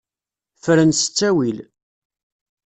Fren s ttawil.